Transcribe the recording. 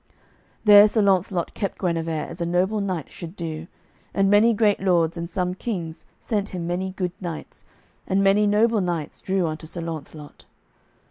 There Sir Launcelot kept Guenever as a noble knight should do, and many great lords and some kings sent him many good knights, and many noble knights drew unto Sir Launcelot.